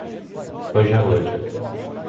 Angelândia